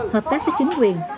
hợp tác với chính quyền